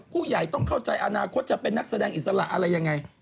ผู้ใหญ่ต้องเข้าใจอนาคตจะเป็นนักแสดงอิสระอะไรยังไง